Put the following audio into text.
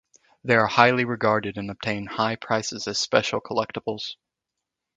They are highly regarded and obtain high prices as special collectables.